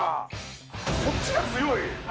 そっちが強い。